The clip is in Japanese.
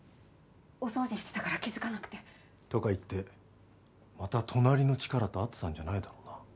お掃除してたから気づかなくて。とか言ってまた隣のチカラと会ってたんじゃないだろうな？